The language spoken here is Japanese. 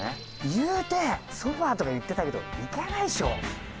言うてソファとか言ってたけどいかないでしょ。